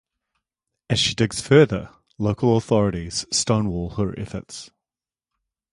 As she digs further, local authorities stonewall her efforts.